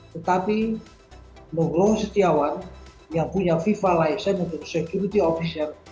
tetapi nuglo setiawan yang punya viva license untuk security officer